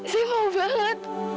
saya mau banget